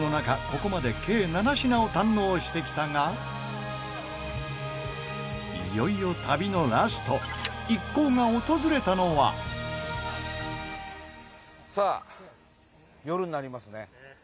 ここまで計７品を堪能してきたがいよいよ、旅のラスト一行が訪れたのは伊達：さあ、夜になりますね。